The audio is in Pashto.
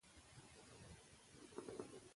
په نغمو په ترانو به یې زړه سوړ وو